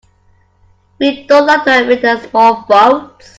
We don't like to admit our small faults.